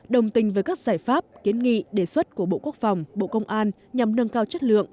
đồng tình với các giải pháp kiến nghị đề xuất của bộ quốc phòng bộ công an nhằm nâng cao chất lượng